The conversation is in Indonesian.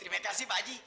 terima kasih baji